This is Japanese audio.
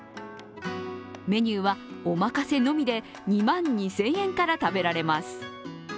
メニューはおまかせのみで、２万２０００円から食べられます。